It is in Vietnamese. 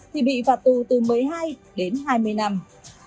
thì bị phạt tù từ một mươi hai đến hai mươi năm